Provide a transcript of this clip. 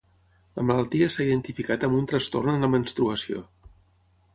La malaltia s'ha identificat amb un trastorn en la menstruació.